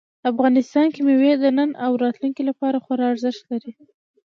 افغانستان کې مېوې د نن او راتلونکي لپاره خورا ارزښت لري.